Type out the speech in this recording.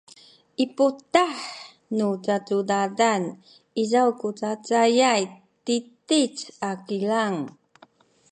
i putah nu picudadan izaw ku cacayay titic a kilang